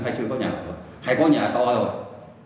hay chưa có nhà ở hay có nhà to rồi